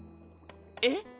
えっ？